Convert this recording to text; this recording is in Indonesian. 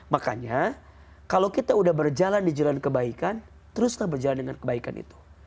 makanya kalau kita udah berjalan di jalan kebaikan teruslah berjalan dengan kebaikan itu